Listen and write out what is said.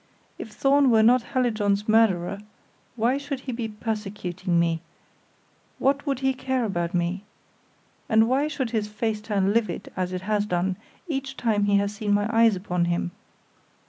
If Thorn were not Hallijohn's murderer, why should he be persecuting me what would he care about me? And why should his face turn livid, as it has done, each time he has seen my eyes upon him?